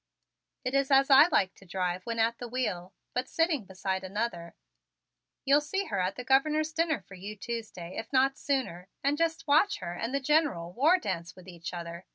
It is as I like to drive when at the wheel, but sitting beside another "You'll see her at the Governor's dinner for you Tuesday, if not sooner, and just watch her and the General war dance with each other.